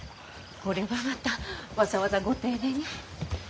これはまたわざわざご丁寧に。